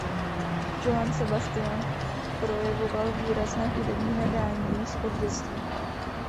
Johann Sebastian projevoval výrazné hudební nadání již od dětství.